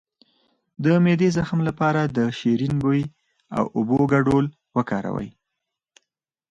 د معدې د زخم لپاره د شیرین بویې او اوبو ګډول وکاروئ